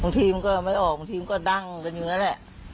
บางทีมันก็ไม่ออกบางทีมันก็ดังอะไรอย่างนี้แหละ